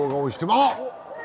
あっ！